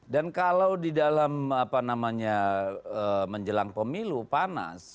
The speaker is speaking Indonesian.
dan kalau di dalam apa namanya menjelang pemilu panas